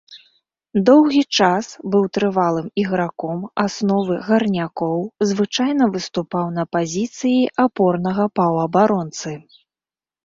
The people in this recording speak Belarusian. Доўгі час быў трывалым іграком асновы гарнякоў, звычайна выступаў на пазіцыі апорнага паўабаронцы.